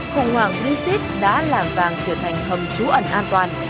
khủng hoảng brexit đã làm vàng trở thành hầm trú ẩn an toàn